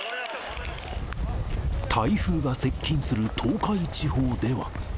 台風が接近する東海地方では。